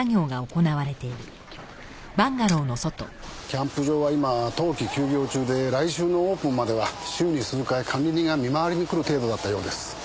キャンプ場は今冬季休業中で来週のオープンまでは週に数回管理人が見回りに来る程度だったようです。